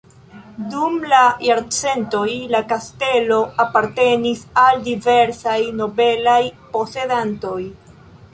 Dum la jarcentoj la kastelo apartenis al diversaj nobelaj posedantoj.